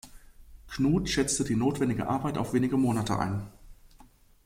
Knuth schätzte die notwendige Arbeit auf wenige Monate ein.